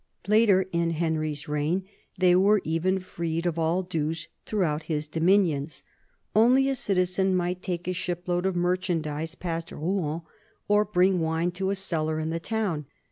Later in Henry's reign they were even freed of all dues through out his dominions. Only a citizen might take a ship load of merchandise past Rouen or bring wine to a cellar in the town.